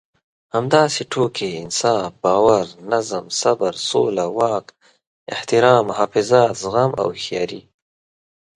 همداسې ټوکې، انصاف، باور، نظم، صبر، سوله، واک، احترام، محافظت، زغم او هوښياري.